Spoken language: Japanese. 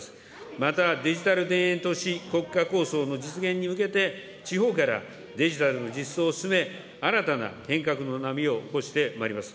またデジタル田園都市国家構想の実現に向けて、地方からデジタルの実装を進め、新たな変革の波を起こしてまいります。